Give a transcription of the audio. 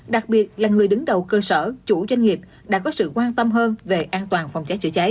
đặc biệt là người đứng đầu cơ sở chủ doanh nghiệp đã có sự quan tâm hơn về an toàn phòng cháy chữa cháy